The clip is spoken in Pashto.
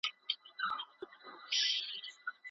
سکرین رڼا خپروي.